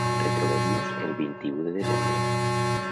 Retrobem-nos el vint-i-u de desembre.